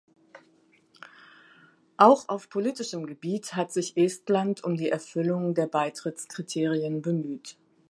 Auch auf politischem Gebiet hat sich Estland um die Erfüllung der Beitrittskriterien bemüht.